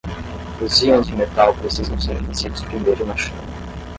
Os íons de metal precisam ser aquecidos primeiro na chama.